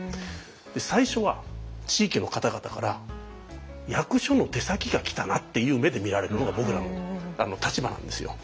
最初は地域の方々から「役所の手先が来たな」っていう目で見られるのが僕らの立場なんですよ。